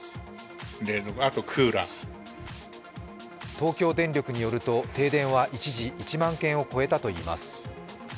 東京電力によると、停電は一時、１万軒を超えたといいます。